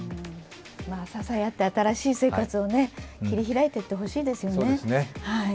支え合って新しい生活を切り開いていってほしいですよね。